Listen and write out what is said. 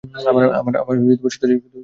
আমার শুতে যাওয়া দরকার।